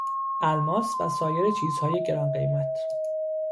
الماس و سایر چیزهای گرانقیمت